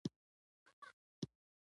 وژنه هېڅ دین نه مني